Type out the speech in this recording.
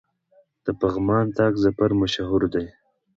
د پغمان طاق ظفر مشهور دی